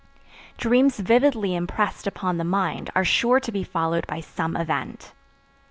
Dreams vividly impressed upon the mind are sure to be followed by some event.